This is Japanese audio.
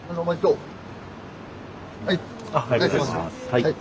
はい。